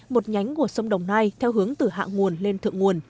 một nhánh của sông đồng nai theo hướng từ hạ nguồn lên thượng nguồn